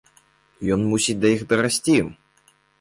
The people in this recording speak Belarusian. Ён мусіць да іх дарасці!